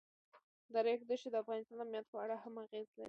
د ریګ دښتې د افغانستان د امنیت په اړه هم اغېز لري.